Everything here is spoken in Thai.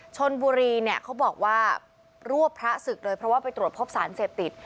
ชนบุรีเนี่ยเขาบอกว่ารวบพระศึกเลยเพราะว่าไปตรวจพบสารเสพติด